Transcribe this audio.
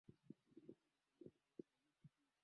mtanzania lenyewe line lime limepambwa vizuri